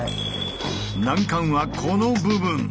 難関はこの部分！